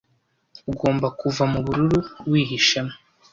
ugomba kuva mubururu wihishemo